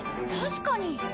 確かに。